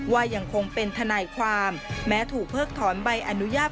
ว่ายังคงเป็นทนายความแม้ถูกเพิกถอนใบอนุญาต